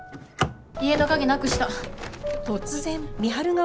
家の鍵なくした。